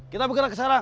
kita bergerak sekarang